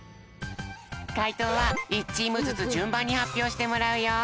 かいとうは１チームずつじゅんばんにはっぴょうしてもらうよ。